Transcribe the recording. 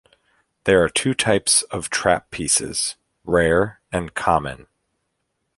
There are two types of trap pieces: rare and common.